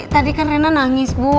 tadi kan rena nangis bu